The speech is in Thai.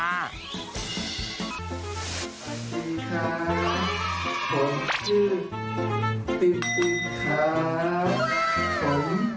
สวัสดีค่ะผมชื่อติ๊กค่ะ